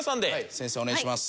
先生お願いします。